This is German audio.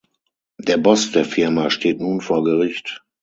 Der Boss der Firma steht nun vor Gericht.